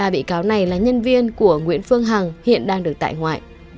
ba bị cáo này là nhân viên của nguyễn phương hằng hiện đang được tại ngoại